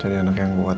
jadi anak yang kuat ya